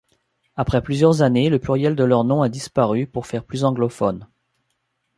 Après plusieurs années, le pluriel de leur nom a disparu, pour faire plus anglophone.